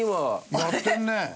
やってるね。